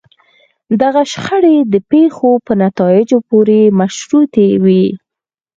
دغه شخړې د پېښو په نتایجو پورې مشروطې وي.